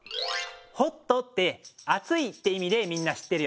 「ＨＯＴ」ってあついっていみでみんなしってるよね。